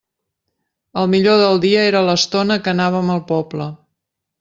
El millor del dia era l'estona que anàvem al poble.